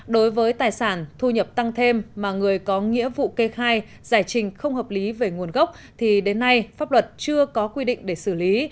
đối với tài sản thu nhập tăng thêm mà người có nghĩa vụ kê khai giải trình không hợp lý về nguồn gốc thì đến nay pháp luật chưa có quy định để xử lý